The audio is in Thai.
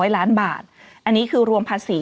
ล้านบาทอันนี้คือรวมภาษี